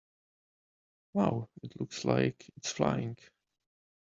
Wow! It looks like it is flying!